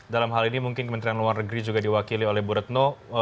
dalam hal ini mungkin kementerian luar negeri juga diwakili oleh bu retno